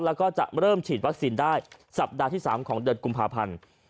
แล้วก็จะเริ่มฉีดวัคซีนได้สัปดาห์ที่๓ของเดือนกุมภาพันธ์